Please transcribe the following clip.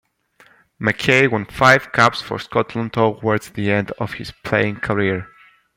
Mackay won five caps for Scotland towards the end of his playing career.